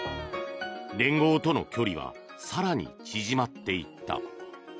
連合との距離は更に縮まっていった。